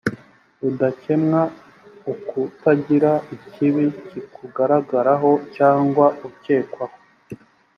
ubudakemwa ukutagira ikibi kikugaragaraho cyangwa ukekwaho